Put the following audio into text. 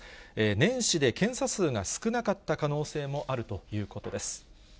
年始で検査数が少なかった可能性もあるということです。